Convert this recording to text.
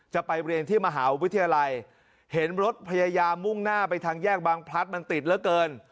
จะไปเรียนที่มหาวิทยาลัยเห็นรถพยายามมุ่งหน้าไปทางแยกบางพลัดมันติดเหลือเกิน